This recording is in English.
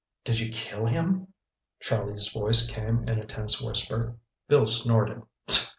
"Did you kill him?" Charlie's voice came in a tense whisper. Bill snorted.